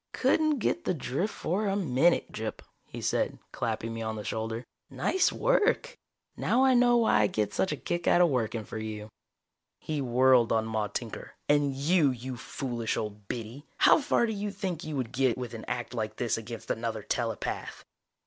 "Couldn't get the drift for a minute, Gyp," he said, clapping me on the shoulder. "Nice work! Now I know why I get such a kick out of working for you!" He whirled on Maude Tinker. "And you, you foolish old biddy! How far do you think you would get with an act like this against another telepath?"